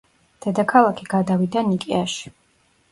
დედაქალაქი გადავიდა ნიკეაში.